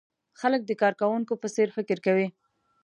خلک د کارکوونکو په څېر فکر کوي.